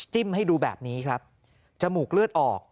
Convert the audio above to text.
ให้ดูแบบนี้ครับจมูกเลือดออก